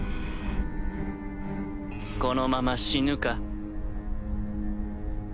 このまま死ぬか？